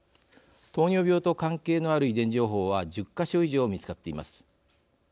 糖尿病と関係のある遺伝情報は１０か所以上見つかっています。